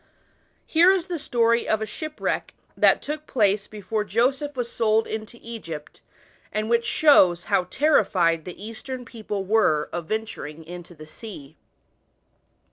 Here is the story of a shipwreck, that took place before Joseph was sold into Egypt, and which shows how terrified the Eastern people were of venturing "on the sea.